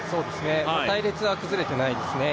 隊列は崩れてないですね。